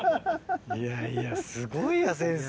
いやいやすごいや先生。